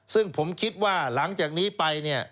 ซึ่งผมคิดว่าหลังจากนี้ไปเนี่ย